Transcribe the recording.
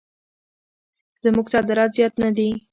زموږ صادرات زیات نه دي.